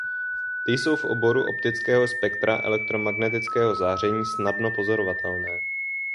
Ty jsou v oboru optického spektra elektromagnetického záření snadno pozorovatelné.